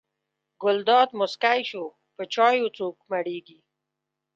ګلداد موسکی شو: په چایو څوک مړېږي.